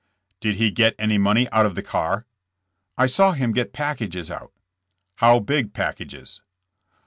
"Did he gjet any money out of the car?" '*I saw him get packages out." "How big packages?"